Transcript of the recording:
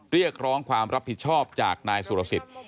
เรียกร้องความรับผิดชอบจากนายสุรสิทธิ์